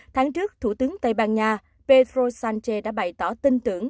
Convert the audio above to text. tháng trước thủ tướng tây ban nha pedro sánche đã bày tỏ tin tưởng